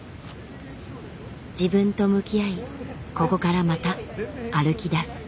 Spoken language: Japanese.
自分と向き合いここからまた歩き出す。